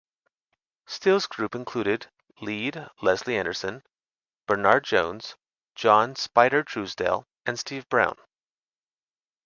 Still's group included lead Leslie Anderson, Bernard Jones, John "Spider" Truesdale and Steve Brown.